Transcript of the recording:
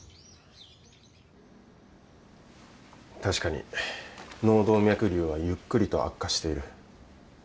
確かに脳動脈瘤はゆっくりと悪化している。